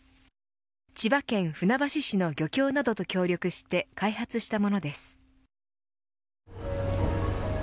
千葉県船橋市の漁協などと協力して開発したものです。